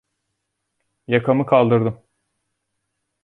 Yakamı kaldırdım.